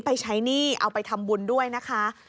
ไปใช้หนี้เอาไปทำบุญด้วยนะคะ